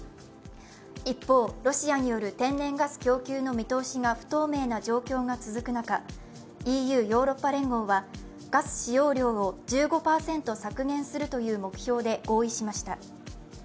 一方、ロシアによる天然ガス供給の見通しが不透明な状況が続く中、ＥＵ＝ヨーロッパ連合はガス使用量を１５％削減するという目標で合意しました。